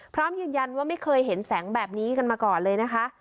พร้อมยืนยันว่าไม่เคยเห็นแสงแบบนี้กันมาก่อนเลยนะคะ